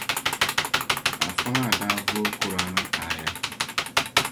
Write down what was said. Afa maa da vooi Kurani aaya.